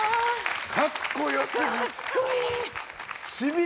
かっこよすぎ！